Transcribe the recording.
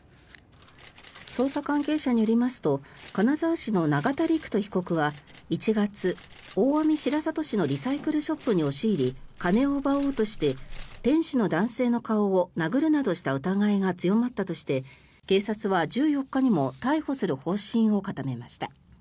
捜査関係者によりますと金沢市の永田陸人被告は１月大網白里市のリサイクルショップに押し入り金を奪おうとして店主の男性の顔を殴るなどした疑いが強まったとして警察は１４日にも逮捕する方針を固めました。